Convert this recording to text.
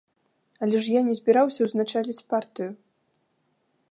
Але я ж не збіраўся ўзначаліць партыю!